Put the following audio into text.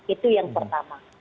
itu yang pertama